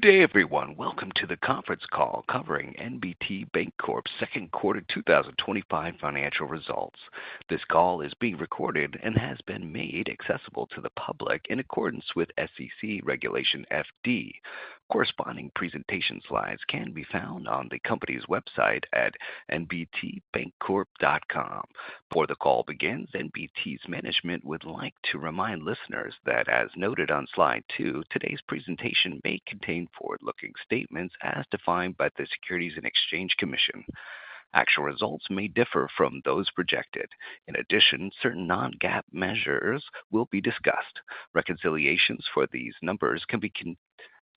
Good day everyone. Welcome to the conference call covering NBT Bancorp second quarter 2025 financial results. This call is being recorded and has been made accessible to the public in accordance with SEC Regulation FD. Corresponding presentation slides can be found on the company's website at nbtbancorp.com. Before the call begins, NBT's management would like to remind listeners that, as noted on slide 2, today's presentation may contain forward-looking statements as defined by the Securities and Exchange Commission. Actual results may differ from those projected. In addition, certain non-GAAP measures will be discussed. Reconciliations for these numbers can be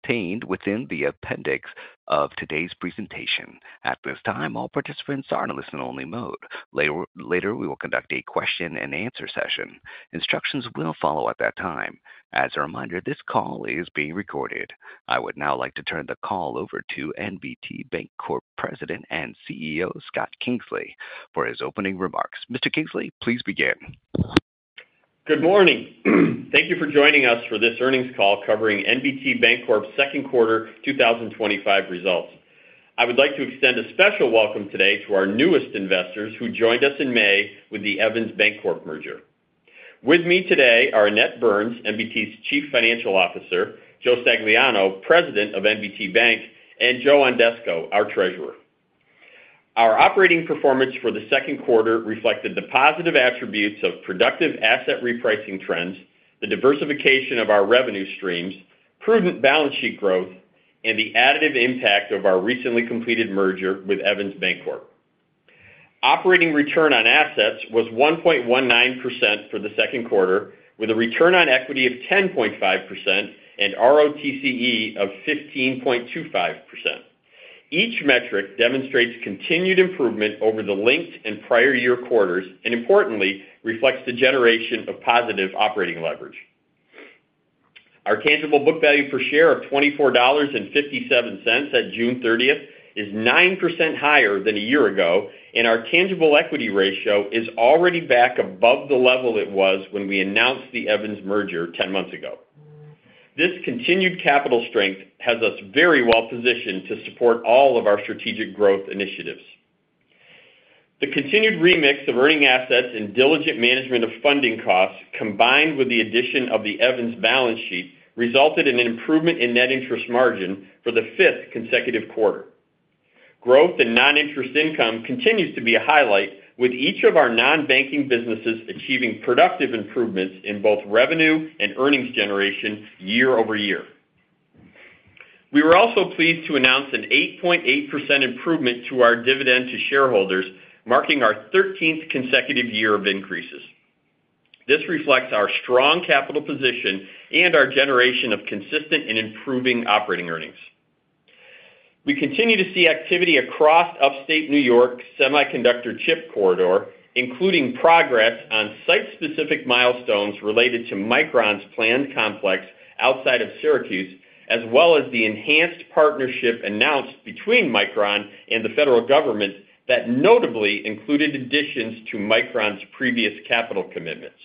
found within the appendix of today's presentation. At this time, all participants are in listen-only mode. Later, we will conduct a question and answer session. Instructions will follow at that time. As a reminder, this call is being recorded. I would now like to turn the call over to NBT Bancorp President and CEO Scott Kingsley for his opening remarks. Mr. Kingsley, please begin. Good morning. Thank you for joining us for this earnings call covering NBT Bancorp's second quarter 2025 results. I would like to extend a special welcome today to our newest investors who joined us in May with the Evans Bancorp merger. With me today are Annette Burns, NBT's Chief Financial Officer, Joe Stagliano, President of NBT Bank, and Joe Ondesko, our Treasurer. Our operating performance for the second quarter reflected the positive attributes of productive asset repricing trends, the diversification of our revenue streams, prudent balance sheet growth, and the additive impact of our recently completed merger with Evans Bancorp. Operating return on assets was 1.19% for the second quarter with a return on equity of 10.5% and ROTCE of 15.25%. Each metric demonstrates continued improvement over the linked and prior year quarters and importantly reflects the generation of positive operating leverage. Our tangible book value per share of $24.57 at June 30 is 9% higher than a year ago, and our tangible equity ratio is already back above the level it was when we announced the Evans merger 10 months ago. This continued capital strength has us very well positioned to support all of our strategic growth initiatives. The continued remix of earning assets and diligent management of funding costs, combined with the addition of the Evans balance sheet, resulted in an improvement in net interest margin for the fifth consecutive quarter. Growth in noninterest income continues to be a highlight with each of our nonbanking businesses achieving productive improvements in both revenue and earnings generation year over year. We were also pleased to announce an 8.8% improvement to our dividend to shareholders, marking our 13th consecutive year of increases. This reflects our strong capital position and our generation of consistent and improving operating earnings. We continue to see activity across upstate New York semiconductor chip corridor, including progress on site-specific milestones related to Micron's planned complex outside of Syracuse, as well as the enhanced partnership announced between Micron and the federal government that notably included additions to Micron's previous capital commitments.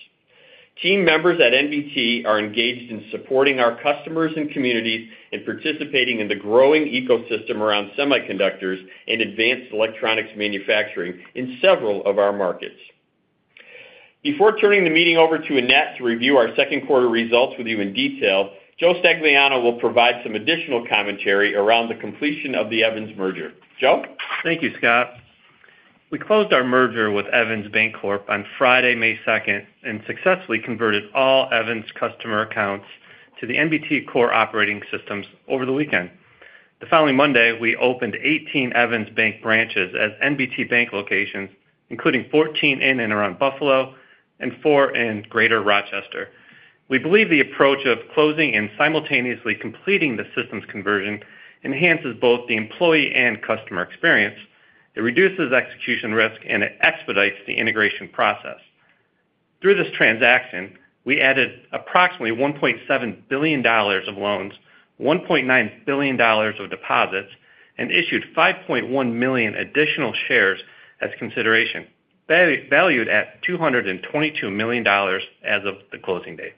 Team members at NBT are engaged in supporting our customers and communities in participating in the growing ecosystem around semiconductors and advanced electronics manufacturing in several of our markets. Before turning the meeting over to Annette to review our second quarter results with you in detail, Joe Stagliano will provide some additional commentary around the completion of the Evans merger. Joe. Thank you, Scott. We closed our merger with Evans Bancorp on Friday, May 2, and successfully converted all Evans customer accounts to the NBT core operating systems over the weekend. The following Monday, we opened 18 Evans Bank branches as NBT Bank locations, including 14 in and around Buffalo and four in Greater Rochester. We believe the approach of closing and simultaneously completing the systems conversion enhances both the employee and customer experience, it reduces execution risk, and it expedites the integration process. Through this transaction, we added approximately $1.7 billion of loans, $1.9 billion of deposits, and issued 5.1 million additional shares as consideration, valued at $222 million as of the closing date.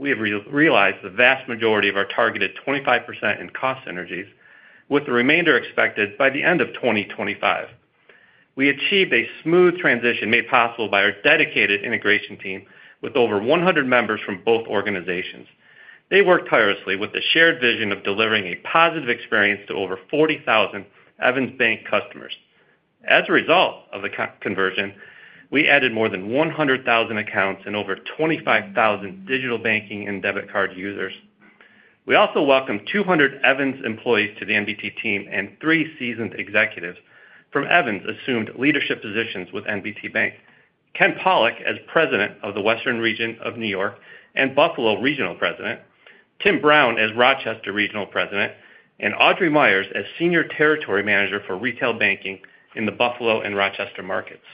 We have realized the vast majority of our targeted 25% in cost synergies, with the remainder expected by the end of 2025. We achieved a smooth transition made possible by our dedicated integration team with over 100 members from both organizations. They worked tirelessly with the shared vision of delivering a positive experience to over 40,000 Evans Bank customers. As a result of the conversion, we added more than 100,000 accounts and over 25,000 digital banking and debit card users. We also welcomed 200 Evans employees to the NBT team, and three seasoned executives from Evans assumed leadership positions with NBT Bank: Ken Pollack as President of the Western Region of New York and Buffalo Regional President, Tim Brown as Rochester Regional President, and Audrey Meyers as Senior Territory Manager for retail banking in the Buffalo and Rochester markets.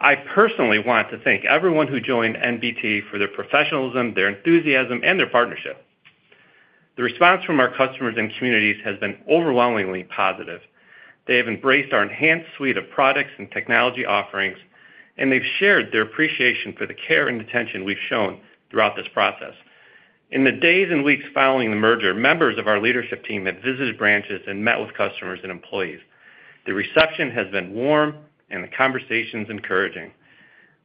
I personally want to thank everyone who joined NBT for their professionalism, their enthusiasm, and their partnership. The response from our customers and communities has been overwhelmingly positive. They have embraced our enhanced suite of products and technology offerings, and they've shared their appreciation for the care and attention we've shown throughout this process. In the days and weeks following the merger, members of our leadership team have visited branches and met with customers and employees. The reception has been warm and the conversations encouraging.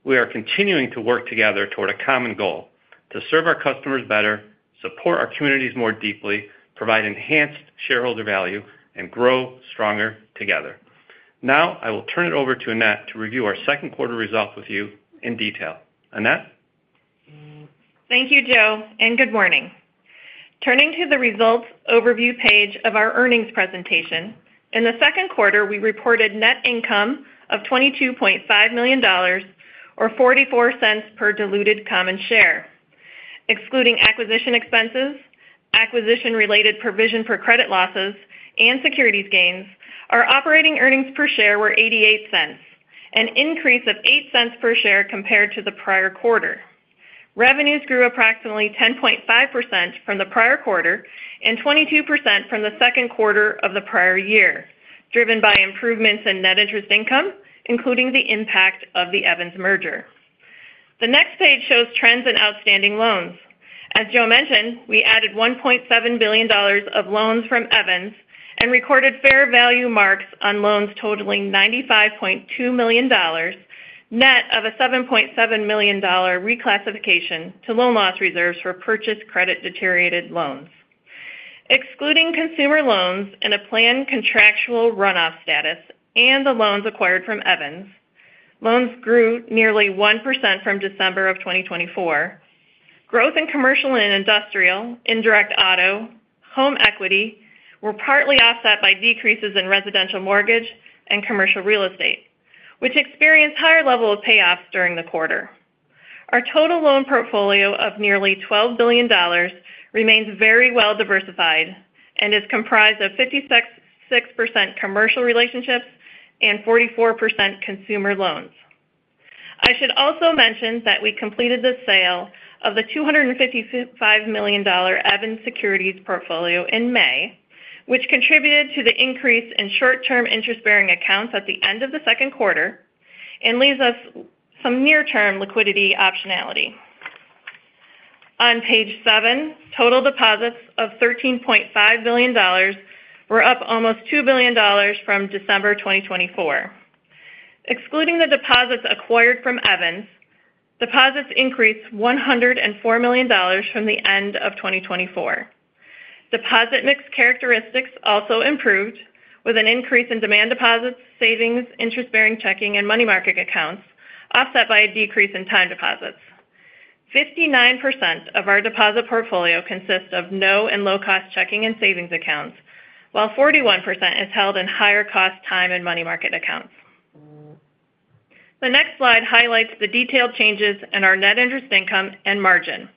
We are continuing to work together toward a common goal to serve our customers better, support our communities more deeply, provide enhanced shareholder value, and grow stronger together. Now I will turn it over to Annette to review our second quarter results with you in detail. Annette, thank you, Joe, and good morning. Turning to the Results Overview page of our earnings presentation, in the second quarter we reported net income of $22.5 million, or $0.44 per diluted common share, excluding acquisition expenses, acquisition-related provision for credit losses, and securities gains. Our operating earnings per share were $0.88, an increase of $0.08 per share compared to the prior quarter. Revenues grew approximately 10.5% from the prior quarter and 22% from the second quarter of the prior year, driven by improvements in net interest income, including the impact of the Evans merger. The next page shows trends in outstanding loans. As Joe mentioned, we added $1.7 billion of loans from Evans and recorded fair value marks on loans totaling $95.2 million, net of a $7.7 million reclassification to loan loss reserves for purchase credit deteriorated loans. Excluding consumer loans in a planned contractual runoff status and the loans acquired from Evans, loans grew nearly 1% from December of 2024. Growth in commercial and industrial, indirect auto, and home equity were partly offset by decreases in residential mortgages and commercial real estate, which experienced a higher level of payoffs during the quarter. Our total loan portfolio of nearly $12 billion remains very well diversified and is comprised of 56% commercial relationships and 44% consumer loans. I should also mention that we completed the sale of the $255 million Evans securities portfolio in May, which contributed to the increase in short-term interest-bearing accounts at the end of the second quarter and leaves us some near-term liquidity optionality. On page 7, total deposits of $13.5 billion were up almost $2 billion from December 2024. Excluding the deposits acquired from Evans, deposits increased $104 million from the end of 2024. Deposit mix characteristics also improved with an increase in demand deposits, savings, interest-bearing checking, and money market accounts, offset by a decrease in time deposits. 59% of our deposit portfolio consists of no and low-cost checking and savings accounts, while 41% is held in higher-cost time and money market accounts. The next slide highlights the detailed changes in our net interest income and margin.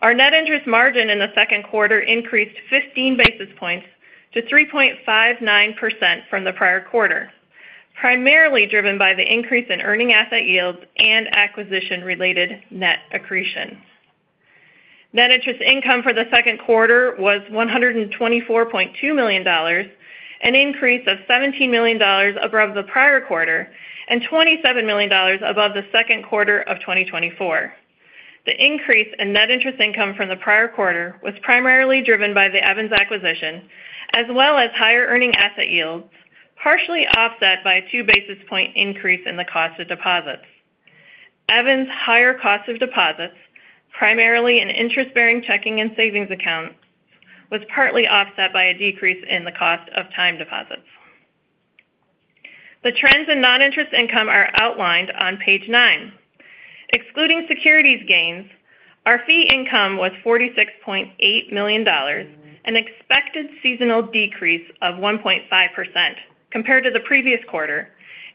Our net interest margin in the second quarter increased 15 basis points to 3.59% from the prior quarter, primarily driven by the increase in earning asset yields and acquisition-related net accretion. Net interest income for the second quarter was $124.2 million, an increase of $17 million above the prior quarter and $27 million above the second quarter of 2024. The increase in net interest income from the prior quarter was primarily driven by the Evans acquisition as well as higher earning asset yields, partially offset by a 2 basis point increase in the cost of deposits. Evans' higher cost of deposits, primarily in interest-bearing checking and savings accounts, was partly offset by a decrease in the cost of time deposits. The trends in noninterest income are outlined on page 9. Excluding securities gains, our fee income was $46.8 million and experienced an expected seasonal decrease of 1.5% compared to the previous quarter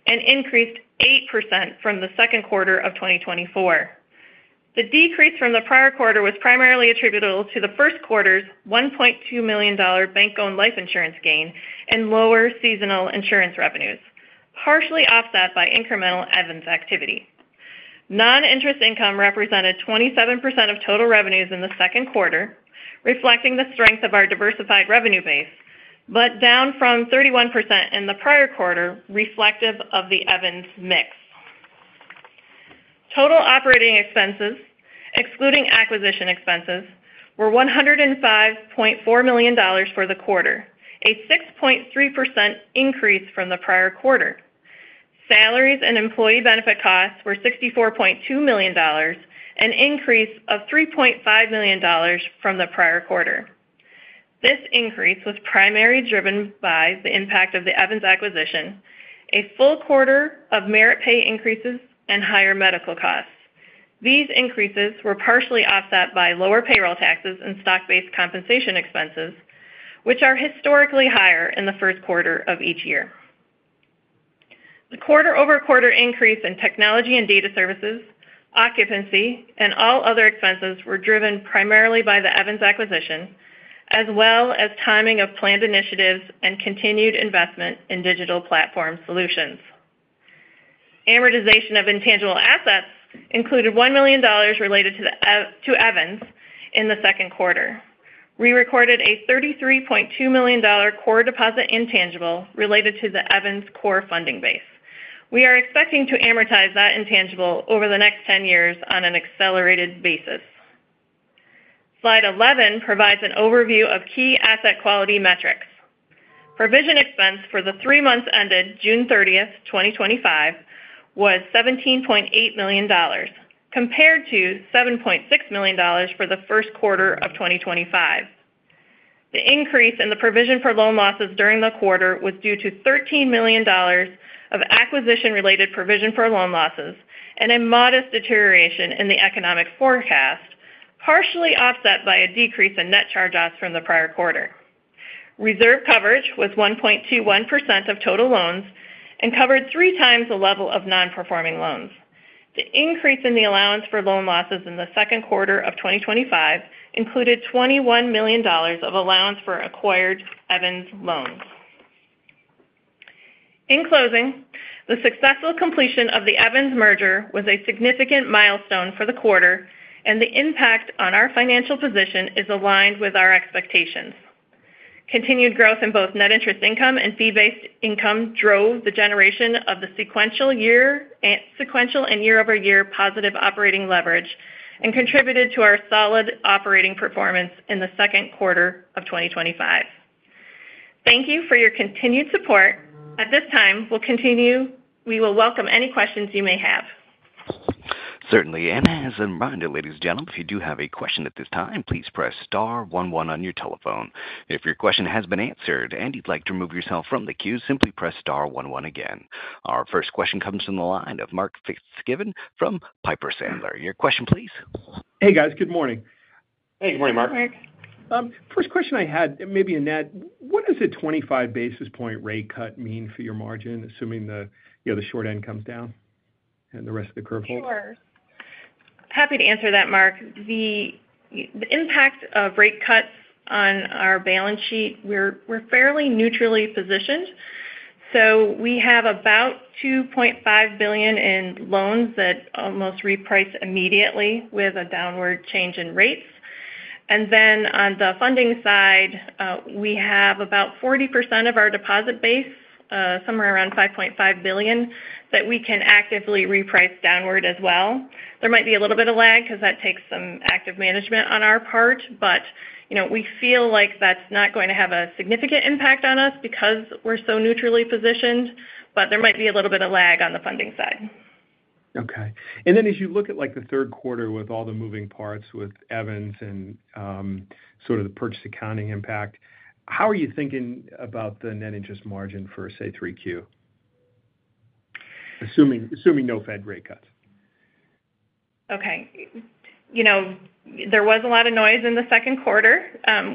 and increased 8% from the second quarter of 2024. The decrease from the prior quarter was primarily attributable to the first quarter's $1.2 million bank-owned life insurance gain and lower seasonal insurance revenues, partially offset by incremental Evans activity. Noninterest income represented 27% of total revenues in the second quarter, reflecting the strength of our diversified revenue base but down from 31% in the prior quarter, reflective of the Evans mix. Total operating expenses excluding acquisition expenses were $105.4 million for the quarter, a 6.3% increase from the prior quarter. Salaries and employee benefit costs were $64.2 million, an increase of $3.5 million from the prior quarter. This increase was primarily driven by the impact of the Evans acquisition, a full quarter of merit pay increases, and higher medical costs. These increases were partially offset by lower payroll taxes and stock-based compensation expenses, which are historically higher in the first quarter of each year. The quarter-over-quarter increase in technology and data services, occupancy, and all other expenses were driven primarily by the Evans acquisition as well as timing of planned initiatives and continued investment in digital platform solutions. Amortization of intangible assets included $1 million related to Evans. In the second quarter, we recorded a $33.2 million core deposit intangible related to the Evans core funding base. We are expecting to amortize that intangible over the next 10 years on an accelerated basis. Slide 11 provides an overview of key asset quality metrics. Provision expense for the three months ended June 30, 2025 was $17.8 million compared to $7.6 million for the first quarter of 2025. The increase in the provision for loan losses during the quarter was due to $13 million of acquisition related provision for loan losses and a modest deterioration in the economic forecast, partially offset by a decrease in net charge offs from the prior quarter. Reserve coverage was 1.21% of total loans and covered three times the level of nonperforming loans. The increase in the allowance for loan losses in the second quarter of 2025 included $21 million of allowance for acquired Evans loans. In closing, the successful completion of the Evans merger was a significant milestone for the quarter and the impact on our financial position is aligned with our expectations. Continued growth in both net interest income and fee based income drove the generation of the sequential and year over year positive operating leverage and contributed to our solid operating performance in the second quarter of 2025. Thank you for your continued support. At this time, we'll continue. We will welcome any questions you may have. Certainly. As a reminder, ladies and gentlemen, if you do have a question at this time, please press star 11 on your telephone. If your question has been answered and you'd like to remove yourself from the queue, simply press star 11. Our first question comes from the line of Mark T. Fitzgibbon from Piper Sandler. Your question please. Hey guys, good morning. Hey, good morning, Mark. First question I had, maybe Annette, what does a 25 basis point rate cut mean for your margin? Assuming the short end comes down and the rest of the curve holds? Sure, happy to answer that, Mark. The impact of rate cuts on our balance sheet, we're fairly neutrally positioned. We have about $2.5 billion in loans that almost reprice immediately with a downward change in rates. On the funding side, we have about 40% of our deposit base, somewhere around $5.5 billion, that we can actively reprice downward as well. There might be a little bit of lag because that takes some active management on our part, but we feel like that's not going to have a significant impact on us because we're so neutrally positioned. There might be a little bit of lag on the funding side. Okay, as you look at the third quarter with all the moving parts with Evans and the purchase accounting impact, how are you thinking about the net interest margin for, say, 3Q assuming no Fed rate cuts? Okay. You know, there was a lot of noise in the second quarter.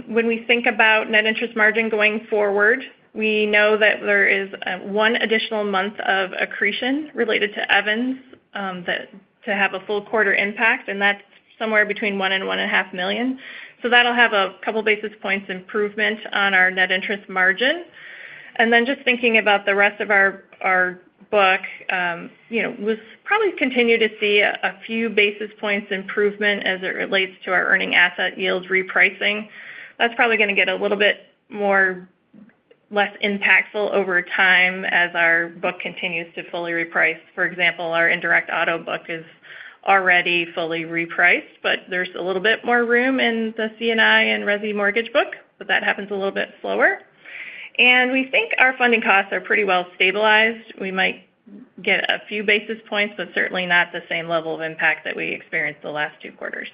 When we think about net interest margin going forward, we know that there is one additional month of accretion related to Evans to have a full quarter impact, and that's somewhere between $1 million and $1.5 million. That will have a couple basis points improvement on our net interest margin. Just thinking about the rest of our book, we probably continue to see a few basis points improvement as it relates to our earning asset yields repricing. That's probably going to get a little bit less impactful over time as our book continues to fully reprice. For example, our indirect auto book is already fully repriced, but there's a little bit more room in the C&I and residential mortgage book, but that happens a little bit slower, and we think our funding costs are pretty well stabilized. We might get a few basis points, but certainly not the same level of impact that we experienced the last two quarters.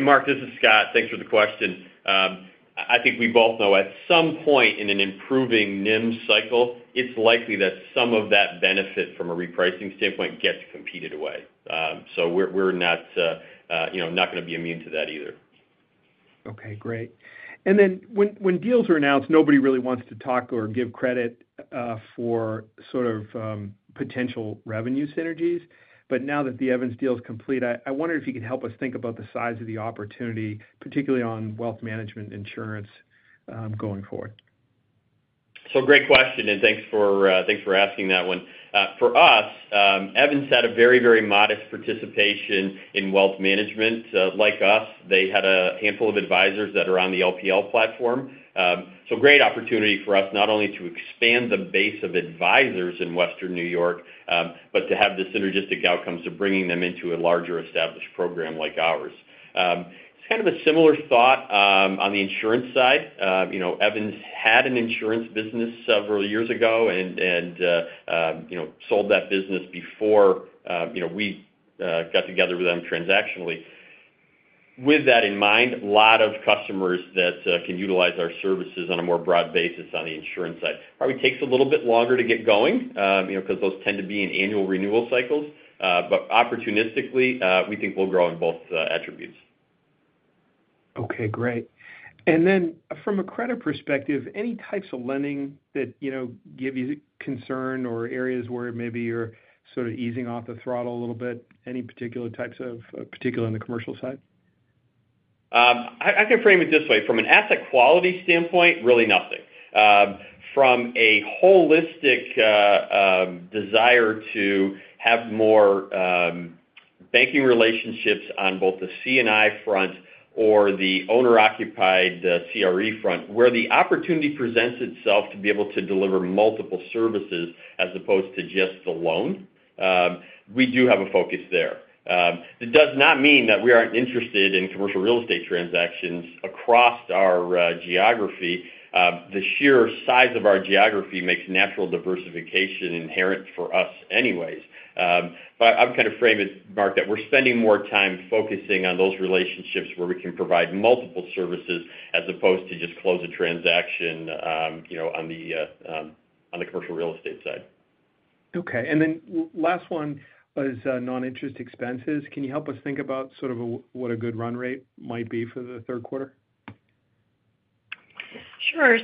Mark, this is Scott. Thanks for the question. I think we both know at some point in an improving NIMs cycle it's likely that some of that benefit from a repricing standpoint gets competed away. We are not going to be immune to that either. Okay, great. When deals are announced, nobody really wants to talk or give credit for sort of potential revenue synergies. Now that the Evans deal is complete, I wonder if you could help us think about the size of the opportunity, particularly on wealth management insurance going forward. Great question and thanks for asking that one for us. Evans had a very, very modest participation in wealth management. Like us, they had a handful of advisors that are on the LPL platform. Great opportunity for us not only to expand the base of advisors in Western New York, but to have the synergistic outcomes of bringing them into a larger established program like ours. It's kind of a similar thought on the insurance side. Evans had an insurance business several years ago and sold that business before we got together with them transactionally. With that in mind, a lot of customers that can utilize our services on a more broad basis on the insurance side probably takes a little bit longer to get going because those tend to be in annual renewal cycles. Opportunistically, we think we'll grow in both attributes. Okay, great. From a credit perspective, any types of lending that give you concern or areas where maybe you're sort of easing off the throttle a little bit, any particular types, particularly on the commercial side, I can frame it this way. From an asset quality standpoint, really nothing from a holistic desire to have more banking relationships on both the CNI front or the owner-occupied CRE front, where the opportunity presents itself to be able to deliver multiple services as opposed to just the loan. We do have a focus there. It does not mean that we aren't interested in commercial real estate transactions across our geography. The sheer size of our geography makes natural diversification inherent for us anyway. I'm kind of framing it, Mark, that we're spending more time focusing on those relationships where we can provide multiple services as opposed to just close a transaction on the commercial real estate side. Okay. The last one is noninterest expenses. Can you help us think about sort of what a good run rate might be for the third quarter? Sure.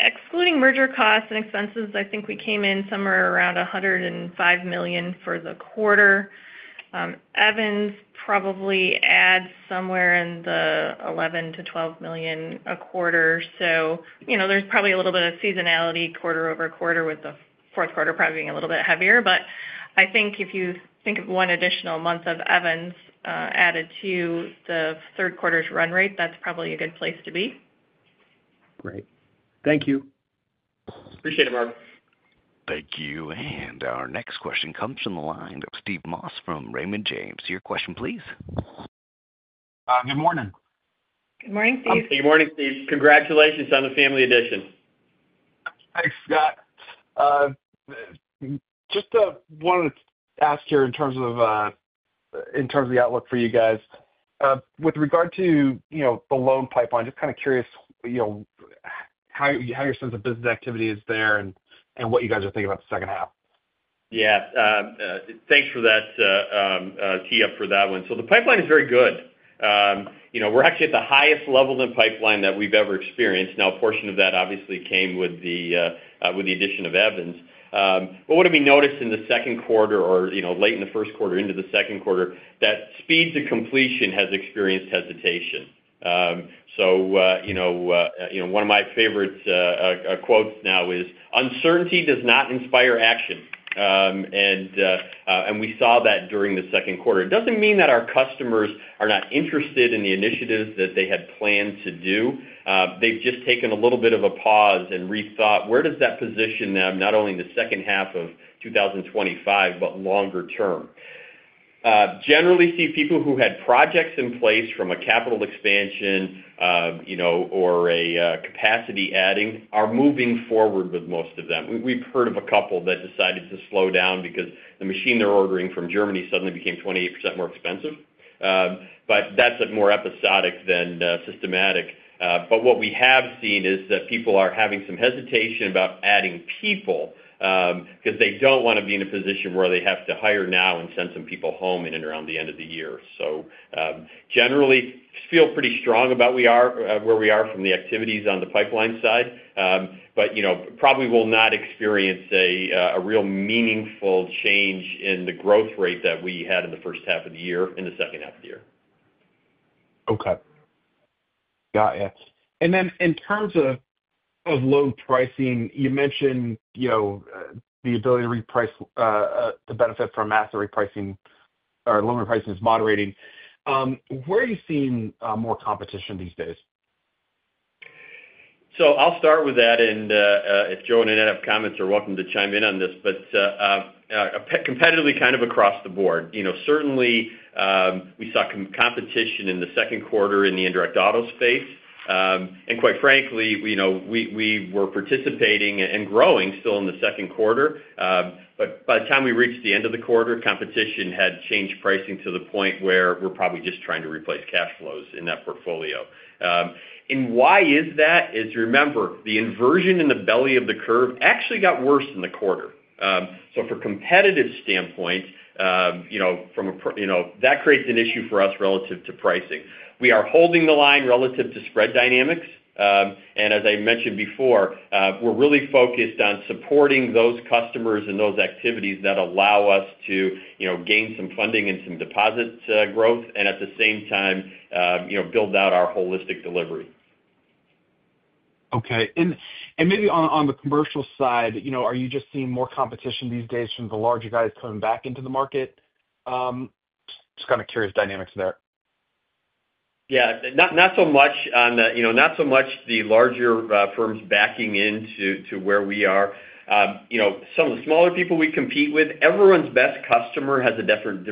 Excluding merger costs and expenses, I think we came in somewhere around $105 million for the quarter. Evans probably adds somewhere in the $11 million-$12 million a quarter. There is probably a little bit of seasonality quarter over quarter, with the fourth quarter probably being a little bit heavier. I think if you think of one additional month of Evans added to the third quarter's run rate, that's probably a good place to be. Great, thank you. Appreciate it, Mark. Thank you. Our next question comes from the line of Stephen Moss from Raymond James, your question please. Good morning. Good morning, Steve. Good morning, Steve. Congratulations on the family addition. Thanks, Scott. Just wanted to ask in terms of the outlook for you guys with regard to the loan pipeline. Just kind of curious how your sense of business activity is there and what you guys are thinking about the second half. Yeah, thanks for that. The pipeline is very good. We're actually at the highest level in pipeline that we've ever experienced. Now, a portion of that obviously came with the addition of Evans Bancorp. What we have noticed in the second quarter or late in the first quarter, into the second quarter, is that speed to completion has expanded hesitation. One of my favorite quotes now is uncertainty does not inspire action. We saw that during the second quarter. It doesn't mean that our customers are not interested in the initiatives that they had planned to do. They've just taken a little bit of a pause and rethought where that positions them, not only in the second half of 2025, but longer term. Generally, people who had projects in place from a capital expansion or a capacity adding are moving forward with most of them. We've heard of a couple that decided to slow down because the machine they're ordering from Germany suddenly became 28% more expensive. That's more episodic than systematic. What we have seen is that people are having some hesitation about adding people because they don't want to be in a position where they have to hire now and send some people home in and around the end of the year. Generally, we feel pretty strong about where we are from the activities on the pipeline side, but probably will not experience a real meaningful change in the growth rate that we had in the first half of the year in the second half of the year. Okay, got it. In terms of loan pricing, you mentioned the ability to reprice, the benefit from asset repricing or loan repricing is moderating. Where are you seeing more competition these days? I'll start with that. If Joe and Annette have comments, they are welcome to chime in on this. Competitively, kind of across the board, certainly we saw competition in the second quarter in the indirect auto space. Quite frankly, we were participating and growing still in the second quarter. By the time we reached the end of the quarter, competition had changed pricing to the point where we're probably just trying to replace cash flows in that portfolio. Why is that? As you remember, the inversion in the belly of the curve actually got worse in the quarter. From a competitive standpoint, that creates an issue for us relative to pricing. We are holding the line relative to spread dynamics. As I mentioned before, we're really focused on supporting those customers and those activities that allow us to gain some funding and some deposit growth and at the same time, build out our holistic delivery. Okay. Maybe on the commercial side, are you just seeing more competition these days from the larger guys coming back into the market? Just kind of curious dynamics there? Yeah, not so much the larger firms backing into where we are. Some of the smaller people we compete with, everyone's best customer has a different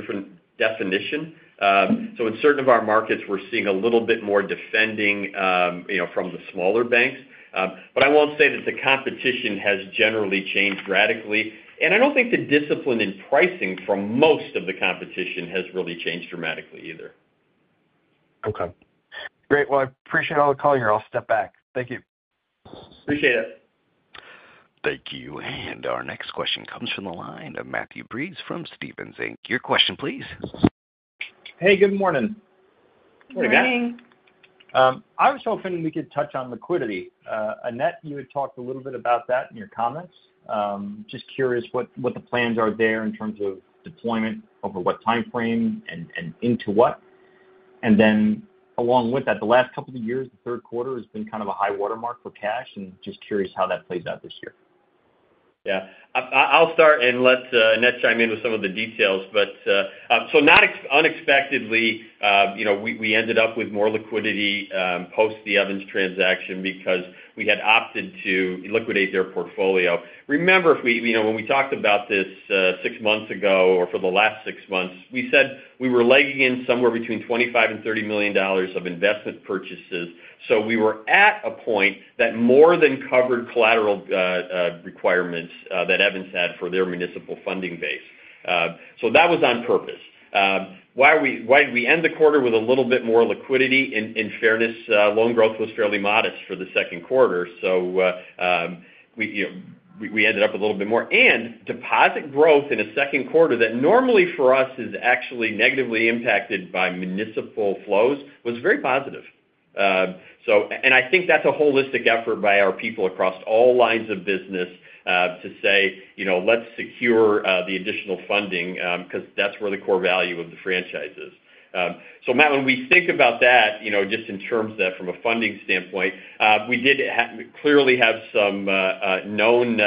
definition. In certain of our markets, we're seeing a little bit more defending from the smaller banks. I won't say that the competition has generally changed radically. I don't think the discipline in pricing from most of the competition has really changed dramatically either. Okay, great. I appreciate all the calling here. I'll step back. Thank you. Appreciate it. Thank you. Our next question comes from the line of Matthew Breese from Stephens Inc. Your question, please. Hey, good morning. I was hoping we could touch on liquidity. Annette, you had talked a little bit about that in your comments. Just curious what the plans are there in terms of deployment, over what time frame, and into what. Along with that, the last couple of years, the third quarter has been kind of a high watermark for cash, just curious how that plays out this year. Yeah, I'll start and let Annette chime in with some of the details. Not unexpectedly, we ended up with more liquidity post the Evans transaction because we had opted to liquidate their portfolio. Remember when we talked about this six months ago or for the last six months, we said we were legging in somewhere between $25 million and $30 million of investment purchases. We were at a point that more than covered collateral requirements that Evans had for their municipal funding base. That was on purpose. Why did we end the quarter with a little bit more liquidity? In fairness, loan growth was fairly modest for the second quarter. We ended up a little bit more. Deposit growth in a second quarter that normally for us is actually negatively impacted by municipal flows was very positive. I think that's a holistic effort by our people across all lines of business to say let's secure the additional funding because that's where the core value of the franchise is. Matt, when we think about that, just in terms of from a funding standpoint, we did clearly have some known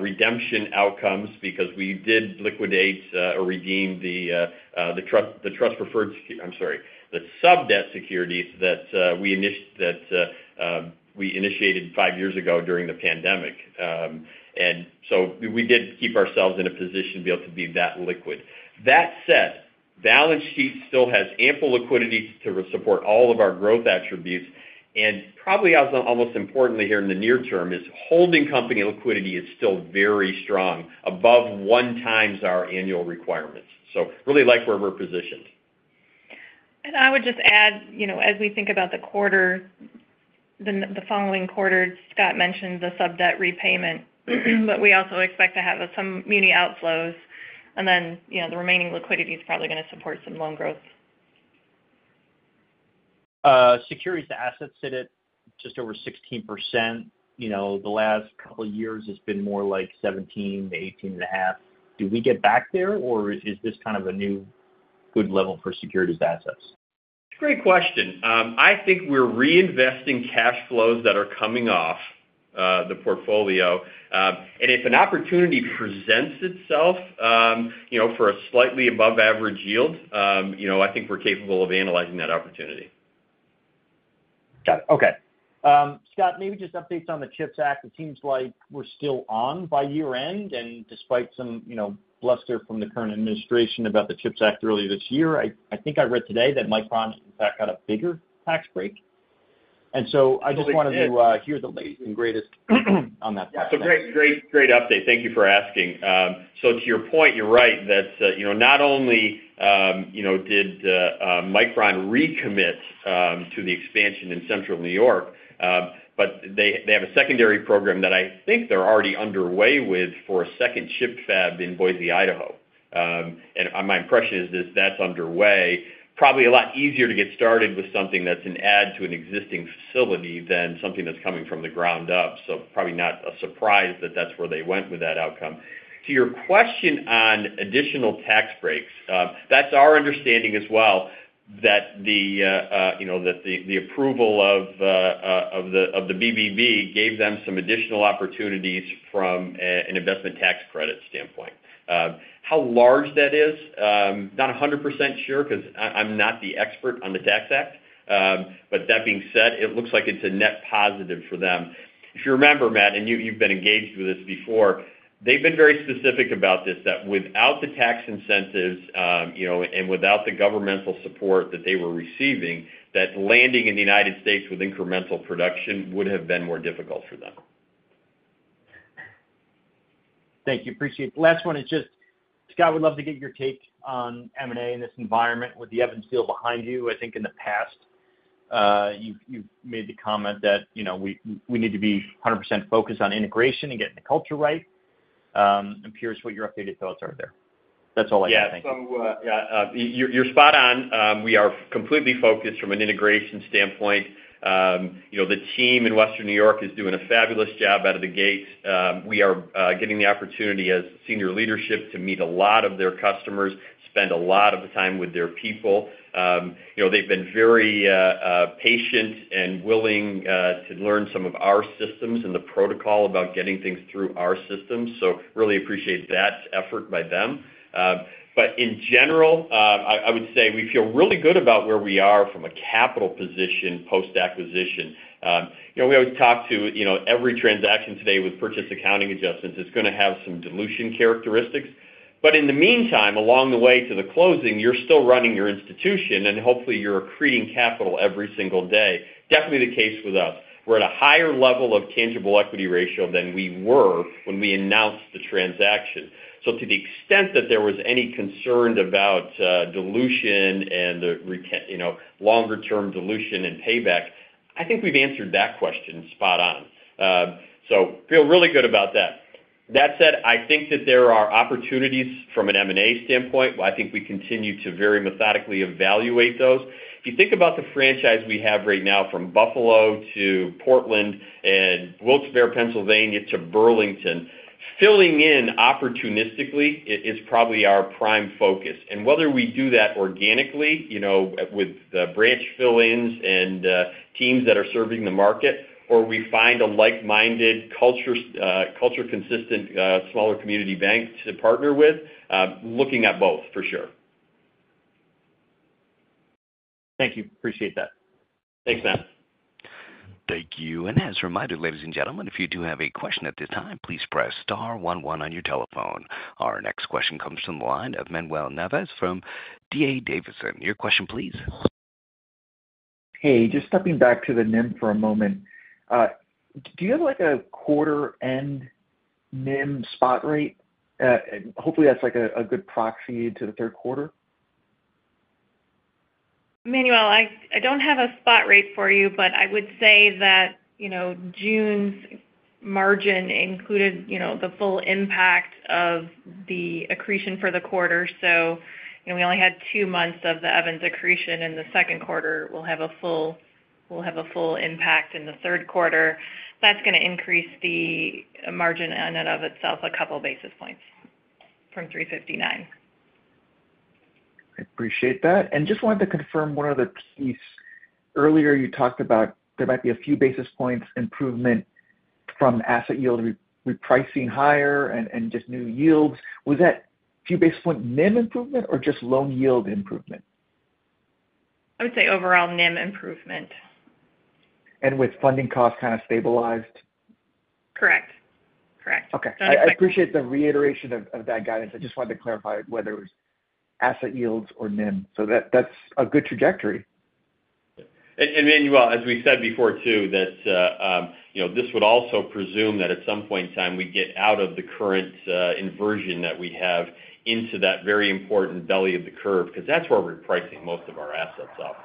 redemption outcomes because we did liquidate or redeem the trust preferred, I'm sorry, the subordinated debt securities that we initiated five years ago during the pandemic. We did keep ourselves in a position to be able to be that liquid. That said, balance sheet still has ample liquidity to support all of our growth attributes. Probably almost importantly here in the near term is holding company liquidity is still very strong above 1 times our annual requirements. I really like where we're positioned. I would just add as we think about the quarter, the following quarter, Scott mentioned the sub debt repayment, but we also expect to have some muni outflows, and then the remaining liquidity is probably going to support some loan growth. Securities assets sit at just over 16%. The last couple years it's been more like 17%, 18.5%. Do we get back there or is this kind of a new good level for securities assets? Great question. I think we're reinvesting cash flows that are coming off the portfolio, and if an opportunity presents itself for a slightly above average yield, I think we're capable of analyzing that opportunity. Got it. Okay, Scott, maybe just updates on the CHIPS Act. It seems like we're still on by year end. Despite some bluster from the current administration about the CHIPS Act earlier this year. I think I read today that Micron in fact got a bigger tax break. I just wanted to hear the latest and greatest on that. Great update. Thank you for asking. To your point, you're right that not only did Micron recommit to the expansion in Central New York, but they have a secondary program that I think they're already underway with for a second chip fab in Boise, Idaho. My impression is that's underway. Probably a lot easier to get started with something that's an add to an existing facility than something that's coming from the ground up. Probably not a surprise that that's where they went with that outcome. To your question on additional tax breaks, that's our understanding as well that the approval of the BBB gave them some additional opportunities from an investment tax credit standpoint. How large that is, not 100% sure because I'm not the expert on the tax Act. That being said, it looks like it's a net positive for them. If you remember, Matt, and you've been engaged with this before, they've been very specific about this, that without the tax incentives and without the governmental support that they were receiving, landing in the United States with incremental production would have been more difficult for them. Thank you. Appreciate it. Last one is just Scott, we'd love to get your take on M&A in this environment with the Evans deal behind you. I think in the past you made the comment that we need to be 100% focused on integration and getting the culture right, I'm curious what your updated thoughts are there. That's all I got. Thank you. You're spot on. We are completely focused from an integration standpoint. The team in Western New York is doing a fabulous job out of the gate. We are getting the opportunity as senior leadership to meet a lot of their customers, spend a lot of time with their people. They've been very patient and willing to learn some of our systems and the protocol about getting things through our systems. I really appreciate that effort by them. In general, I would say we feel really good about where we are from a capital position post acquisition. We always talk to every transaction. Today with purchase accounting adjustments, it is going to have some dilution characteristics. In the meantime, along the way to the closing, you're still running your institution and hopefully you're accreting capital every single day. Definitely the case with us. We're at a higher level of tangible equity ratio than we were when we announced the transaction. To the extent that there was any concern about dilution and longer term dilution and payback, I think we've answered that question spot on. I feel really good about that. That said, I think that there are opportunities from an M&A standpoint. I think we continue to very methodically evaluate those. If you think about the franchise we have right now from Buffalo to Portland and Wilkes Barre, Pennsylvania to Burlington, filling in opportunistically is probably our prime focus. Whether we do that organically with branch fill ins and teams that are serving the market or we find a like minded culture consistent smaller community bank to partner with, looking at both for sure. Thank you. Appreciate that. Thanks Matt. Thank you. As reminded, ladies and gentlemen, if you do have a question at this time, please press star one one on your telephone. Our next question comes from the line of Manuel Navas from D.A. Davidson. Your question please. Hey, just stepping back to the NIM for a moment. Do you have like a quarter-end NIM spot rate? Hopefully that's like a good proxy to the third quarter. Manuel, I don't have a spot rate for you, but I would say that June's margin included the full impact of the accretion for the quarter. We only had 2 months of the Evans accretion in the second quarter. We will have a full impact in the third quarter. That's going to increase the margin in and of itself a couple basis points from 359. I appreciate that and just wanted to confirm, one of the keys earlier, you talked about there might be a few basis points improvement from asset repricing higher and just new yields. Was that few basis point NIM improvement or just loan yield improvement? I would say overall NIM improvement. With funding costs kind of stabilized. Correct. Okay, I appreciate the reiteration of that guidance. I just wanted to clarify whether it was asset yields or NIM. That's a good trajectory. Manuel, as we said before too, this would also presume that at some point in time we get out of the current inversion that we have into that very important belly of the curve because that's where we're pricing most of our assets up.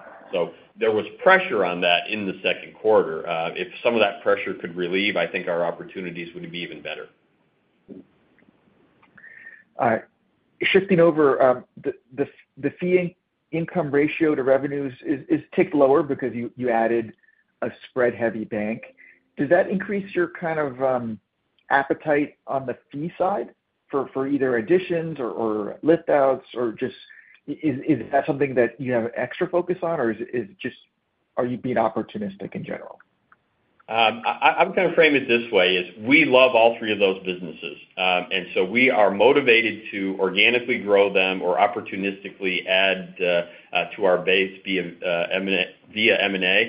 There was pressure on that in the second quarter. If some of that pressure could relieve, I think our opportunities would be even better. Shifting over, the fee income ratio to revenues has ticked lower because you added a spread heavy bank. Does that increase your kind of appetite on the fee side for either additions or lift outs, or is that something that you have extra focus on, or are you being opportunistic in general? I'm going to frame it this way. We love all three of those businesses, and we are motivated to organically grow them or opportunistically add to our base via M&A.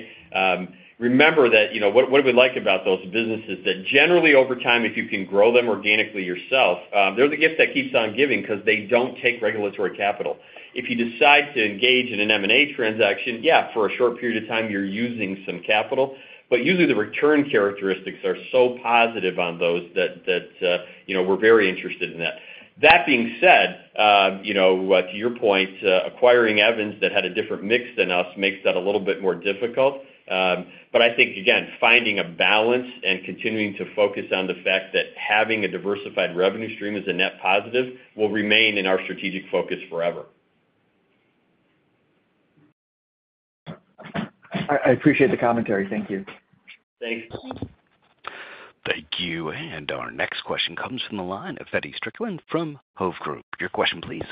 Remember that. What do we like about those businesses? Generally, over time, if you can grow them organically yourself, they're the gift that keeps on giving because they don't take regulatory capital if you decide to engage in an M&A transaction. Yeah. For a short period of time, you're using some capital. Usually the return characteristics are so positive on those that we're very interested in that. That being said, to your point, acquiring Evans Bancorp, that had a different mix than us, makes that a little bit more difficult. I think again, finding a balance and continuing to focus on the fact that having a diversified revenue stream is a net positive will remain in our strategic focus forever. I appreciate the commentary. Thank you. Thanks. Thank you. Our next question comes from the line of Feddie Strickland from Hovde Group. Your question please.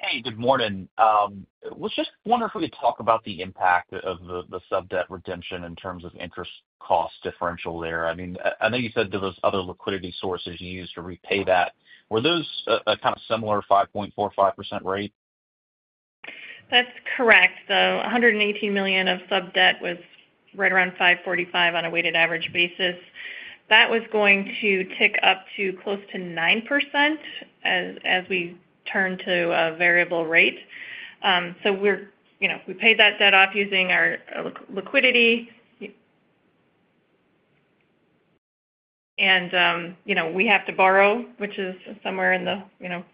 Hey, good morning. Was just wonderful. If we could talk about the impact of the sub debt redemption in terms of interest cost differential there. I know you said there was other liquidity sources you used to repay that, were those a kind of similar 5.45% rate? That's correct. So $118 million of subordinated debt was right around 5.45% on a weighted average basis. That was going to tick up to close to 9% as we turn to a variable rate. We paid that debt off using our liquidity, and if we have to borrow, which is somewhere in the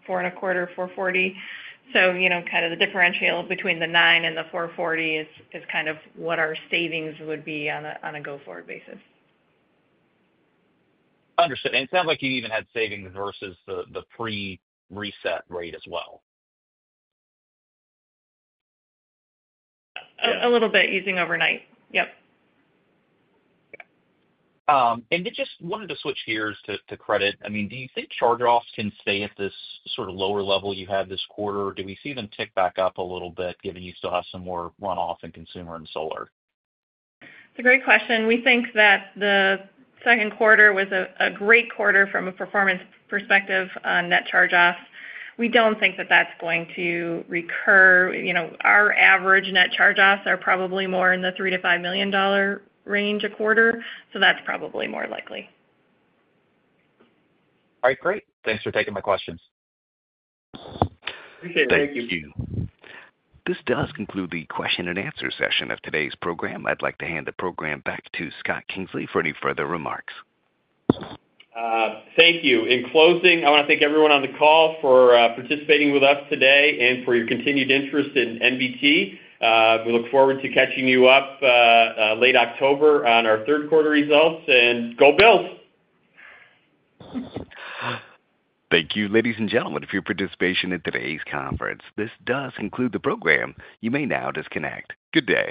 4.25%, $440,000. The differential between the 9% and the 4.40% is kind of what our savings would be on a go forward basis. Understood. It sounds like you even had savings versus the pre-reset rate as well. A little bit using overnight. I just wanted to switch gears to credit. Do you think charge offs can stay at this sort of lower level you had this quarter? Do we see them tick back up a little bit, given you still have some more runoff in consumer and solar? That's a great question. We think that the second quarter was a great quarter from a performance perspective on net charge offs. We don't think that that's going to recur. Our average net charge offs are probably more in the $3 million-$5 million range a quarter. That's probably more likely. All right, great. Thanks for taking my questions. Thank you. This does conclude the question and answer session of today's program. I'd like to hand the program back to Scott Kingsley for any further remarks. Thank you. In closing, I want to thank everyone on the call for participating with us today and for your continued interest in NBT. We look forward to catching you up late October on our third quarter results. Go Bills. Thank you, ladies and gentlemen, for your participation in today's conference. This does conclude the program. You may now disconnect. Good day.